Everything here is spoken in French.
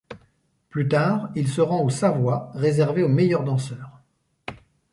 Plus tard, il se rend au Savoy, réservé aux meilleurs danseurs.